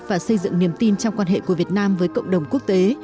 và xây dựng niềm tin trong quan hệ của việt nam với cộng đồng quốc tế